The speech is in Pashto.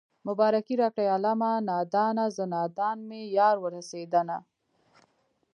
مبارکي راکړئ عالمه نادانه زه نادان مې يار ورسېدنه